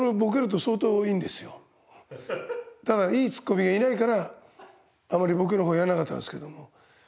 ただいいツッコミがいないからあまりボケの方やらなかったんですけども。